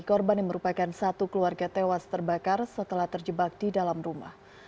korban yang merupakan satu keluarga tewas terbakar setelah terjebak di dalam rumah